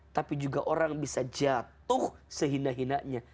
tapi juga orang bisa jatuh sehina hinanya